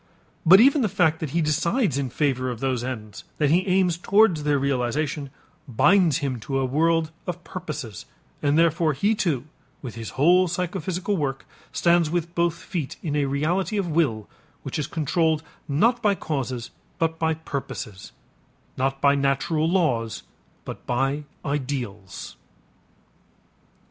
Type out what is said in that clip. But even the fact that he decides in favor of those ends, that he aims towards their realization, binds him to a world of purposes, and therefore, he, too, with his whole psychophysical work, stands with both feet in a reality of will which is controlled not by causes but by purposes, not by natural laws but by ideals.